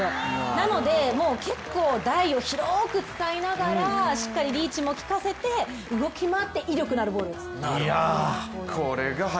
なので結構、台を広く使いながら、しっかりリーチも利かせて動き回って威力のある打球を。